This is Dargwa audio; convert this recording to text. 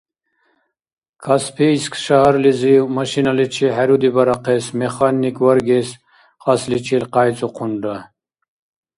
Каспийск шагьарлизив, машиналичи хӏерудибарахъес механик варгес кьасличил къяйцӏухъунра.